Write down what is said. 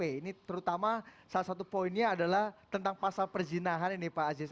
ini terutama salah satu poinnya adalah tentang pasal perzinahan ini pak aziz